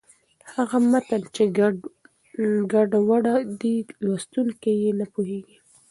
هغه متن چې ګډوډه دی، لوستونکی یې نه پوهېږي.